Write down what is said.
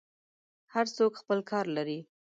هر څوک خپل کار لري.